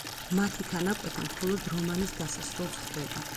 მათი თანაკვეთა მხოლოდ რომანის დასასრულს ხდება.